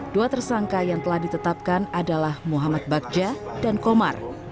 dua tersangka yang telah ditetapkan adalah muhammad bagja dan komar